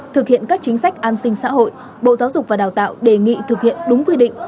thực hiện các chính sách an sinh xã hội bộ giáo dục và đào tạo đề nghị thực hiện đúng quy định